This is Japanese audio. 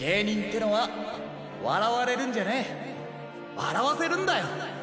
わらわせるんだよ。